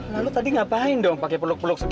lalu tadi ngapain dong pake peluk peluk segala